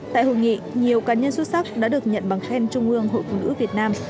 tại hội nghị nhiều cá nhân xuất sắc đã được nhận bằng khen trung ương hội phụ nữ việt nam